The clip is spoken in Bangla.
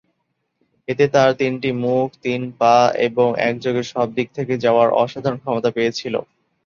এতে তার তিনটি মুখ, তিন পা এবং একযোগে সব দিক থেকে যাওয়ার অসাধারণ ক্ষমতা পেয়েছিল।